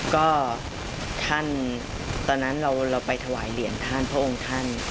ก็ท่านตอนนั้นเราไปถวายเหรียญท่านพระองค์ท่าน